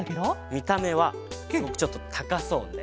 みためはちょっとたかそうで。